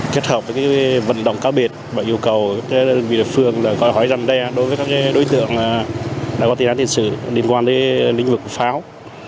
kết hợp với vận động cao biệt và yêu cầu đơn vị địa phương hỏi rằng đối với các đối tượng đã có tiền án tiền sử liên quan đến lĩnh vực pháo